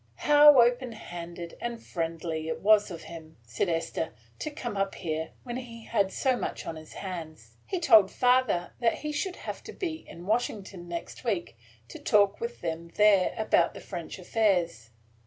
"How open handed and friendly it was of him," said Esther, "to come up here, when he had so much on his hands! He told father that he should have to be in Washington next week, to talk with them there about the French affairs."